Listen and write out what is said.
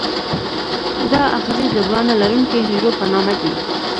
دا آخذې د باڼه لرونکي حجرو په نامه دي.